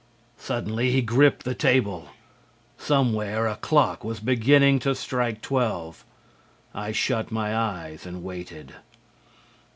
Suddenly he gripped the table. Somewhere a clock was beginning to strike twelve. I shut my eyes and waited.